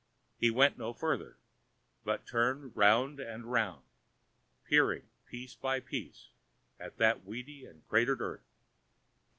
He went no further, but turned round and round, peering piece by piece at that weedy and cratered earth.